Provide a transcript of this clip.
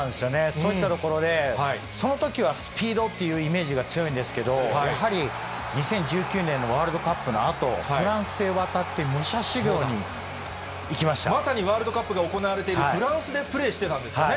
そういったところで、そのときはスピードっていうイメージが強いんですけど、やはり、２０１９年のワールドカップのあと、フランスへ渡って、まさにワールドカップが行われているフランスでプレーしてたんですよね。